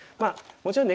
もちろんね